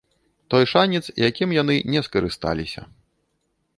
Той шанец, якім яны не скарысталіся.